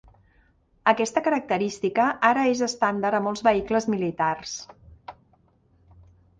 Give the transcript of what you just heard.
Aquesta característica ara és estàndard a molts vehicles militars.